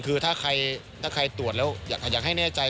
คือถ้าใครตรวจแล้วอยากให้แน่ใจ